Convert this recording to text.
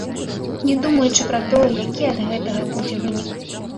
Не думаючы пра тое, які ад гэтага будзе вынік.